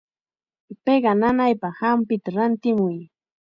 Piqa nanaypaq hampita rantimuy.